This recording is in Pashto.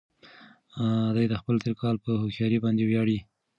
دی د خپل تېرکالي په هوښيارۍ باندې ویاړي.